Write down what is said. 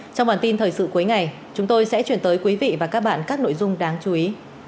trong bản tin thời sự cuối ngày chúng tôi sẽ chuyển tới quý vị và các bạn các nội dung đáng chú ý